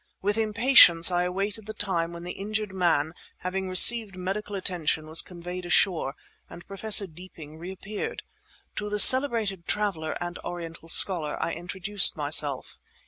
With impatience I awaited the time when the injured man, having received medical attention, was conveyed ashore, and Professor Deeping reappeared. To the celebrated traveller and Oriental scholar I introduced myself.